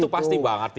itu pasti bang artinya